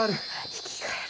生き返る。